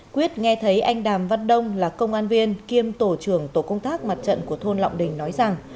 quyết nghe thấy anh đàm văn đông là công an viên kiêm tổ trưởng tổ công tác mặt trận của thôn lọng đình nói rằng